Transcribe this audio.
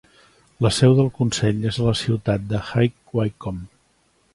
La seu del consell és a la ciutat de High Wycomb.